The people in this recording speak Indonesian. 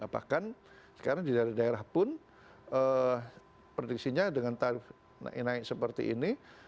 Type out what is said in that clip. bahkan sekarang di daerah daerah pun prediksinya dengan tarif naik seperti ini